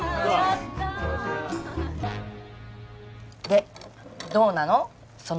でどうなの？